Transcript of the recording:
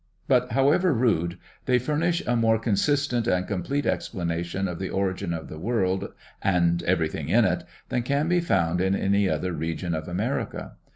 But, however rude, they furnish a more consistent and complete explanation of the origin of the world and everything in it than can be found in any other region of America.